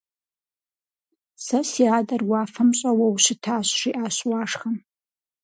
Сэ си адэр уафэм щӀэуэу щытащ, - жиӀащ Уашхэм.